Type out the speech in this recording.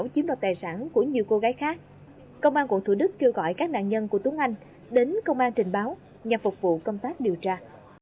công an quận thủ đức kêu gọi các nạn nhân của tuấn anh đến công an trình báo nhằm phục vụ công tác điều tra